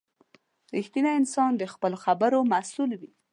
• رښتینی انسان د خپلو خبرو مسؤل وي.